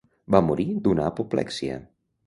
Va morir d'una apoplexia.